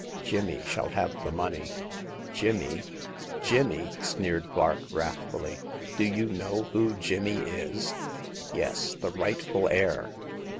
Jimmy shall have the money/' Jimmy ! Jimmy !'* sneered Vark, wrathfuUy. " Do you know who Jimmy is ?"Yes— the rightful heir